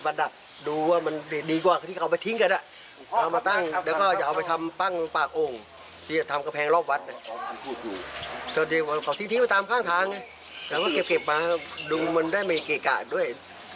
เราก็เก็บมาดูมันไม่เกรกะด้วย